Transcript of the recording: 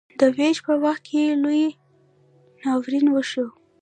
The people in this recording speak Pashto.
د ویش په وخت کې لوی ناورین وشو.